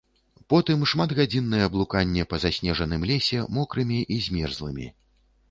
Потым шматгадзіннае блуканне па заснежаным лесе мокрымі і змерзлымі.